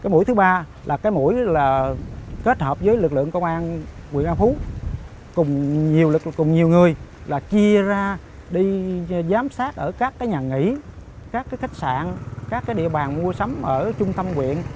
mũi thứ ba là cái mũi kết hợp với lực lượng công an nguyễn an phú cùng nhiều người là chia ra đi giám sát ở các nhà nghỉ các khách sạn các địa bàn mua sắm ở trung tâm nguyện